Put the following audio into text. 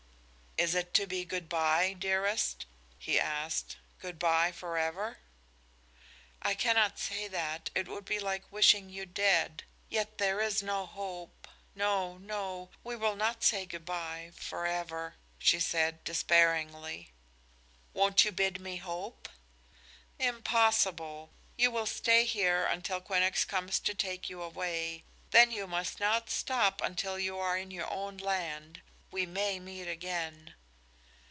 "Is it to be good by, dearest?" he asked. "Good by forever?" "I cannot say that. It would be like wishing you dead. Yet there is no hope. No, no! We will not say good by, forever," she said, despairingly. "Won't you bid me hope?" "Impossible! You will stay here until Quinnox comes to take you away. Then you must not stop until you are in your own land. We may meet again."